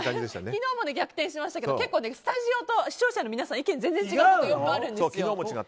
昨日も逆転しましたけどスタジオと視聴者の皆さん、意見が全然違うってよくあるんですよ。